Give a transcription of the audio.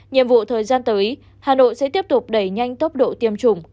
nhiệm vụ thời gian tới hà nội sẽ tiếp tục đẩy nhanh tốc độ tiêm chủng